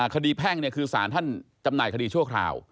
แพ่งคือสารท่านจำหน่ายคดีชั่วคราว